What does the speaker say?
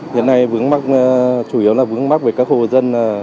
hiện nay vướng mắc chủ yếu là vướng mắc về các khu vật dân